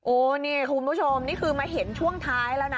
นี่คุณผู้ชมนี่คือมาเห็นช่วงท้ายแล้วนะ